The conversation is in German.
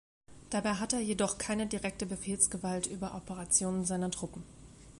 Dabei hat er jedoch keine direkte Befehlsgewalt über Operationen seiner Truppen.